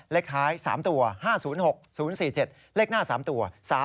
เลขท้าย๓ตัว๕๐๖๐๔๗เลขหน้า๓ตัว